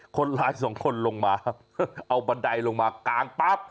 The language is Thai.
คนร้ายสองคนลงมาเอาบันไดลงมากางปั๊บ